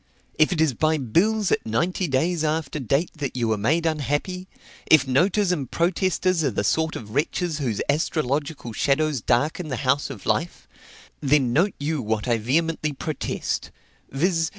If it is by bills at ninety days after date that you are made unhappy if noters and protesters are the sort of wretches whose astrological shadows darken the house of life then note you what I vehemently protest, viz.